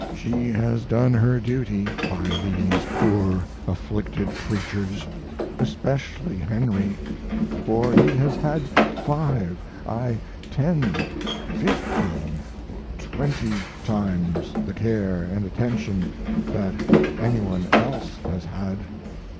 She has done her duty by these poor afflicted creatures especially Henry, for he has had five aye, ten, fifteen, twenty times the care and attention that any one else has had.